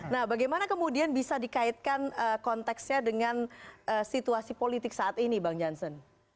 nah bagaimana kemudian bisa dikaitkan konteksnya dengan situasi politik saat ini bang jansen